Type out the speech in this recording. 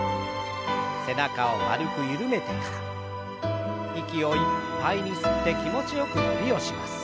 背中を丸く緩めてから息をいっぱいに吸って気持ちよく伸びをします。